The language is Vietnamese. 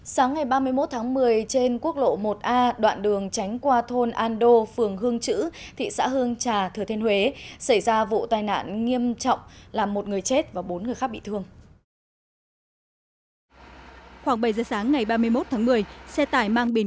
sáng ngày ba mươi một tháng một mươi trên quốc lộ một a đoạn đường tránh qua thôn an đô phường hương chữ thị xã hương trà thừa thiên huế xảy ra vụ tai nạn nghiêm trọng làm một người chết và bốn người khác bị thương